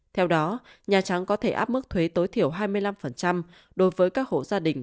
theo đó nhà trắng có thể áp mức thuế tối thiểu hai mươi năm đối với các hộ gia đình